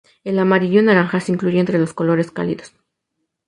El amarillo naranja se incluye entre los colores cálidos.